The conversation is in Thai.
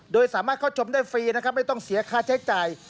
โดยสามารถเข้าชมได้ฟรีนะครับไม่ต้องเสียค่าใช้จ่าย